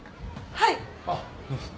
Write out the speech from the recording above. はい。